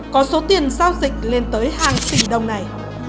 có số tiền giao dịch lên tới hàng tỷ đồng này